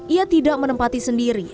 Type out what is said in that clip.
ia tidak menempati sendiri